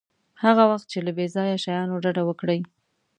هغه وخت چې له بې ځایه شیانو ډډه وکړئ.